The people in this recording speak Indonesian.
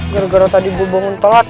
gara gara tadi bubong untolat